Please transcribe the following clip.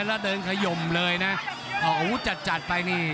แล้วเดินขยมเลยนะออกอาวุธจัดจัดไปนี่